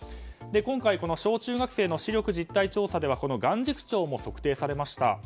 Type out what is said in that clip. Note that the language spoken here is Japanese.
今回小中学生の視力実態調査ではこの眼軸長も測定されました。